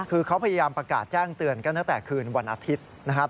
คือเขาพยายามประกาศแจ้งเตือนกันตั้งแต่คืนวันอาทิตย์นะครับ